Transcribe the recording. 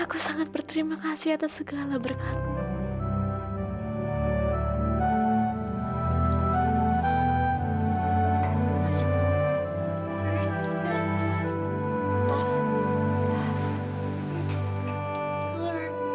aku sangat berterima kasih atas segala berkatmu